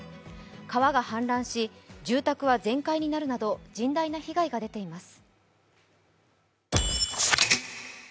川が氾濫し、住宅は全壊になるなど甚大な被害が出ています。